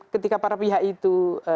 ketika para pihak itu